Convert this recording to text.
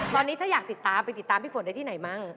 ตอนนี้ถ้าอยากติดตามไปติดตามพี่ฝนได้ที่ไหนมั้ง